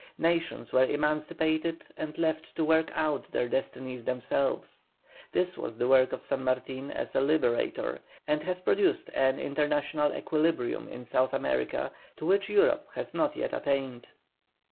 Nations were emancipated and left to work out their destinies themselves. This was the work of San Martin as a liberator, and has produced an international equilibrium in South America, to which Europe has not yet attained.